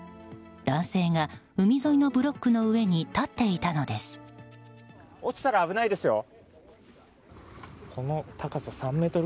男性が海沿いのブロックの上に立っていたのです。